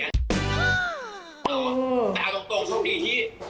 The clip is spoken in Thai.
เออแต่ว่าแต่เอาตรงโชคดีที่